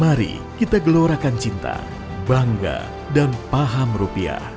mari kita gelorakan cinta bangga dan paham rupiah